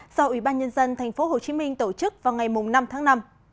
do ủy ban nhân dân tp hcm tổ chức vào ngày năm tháng năm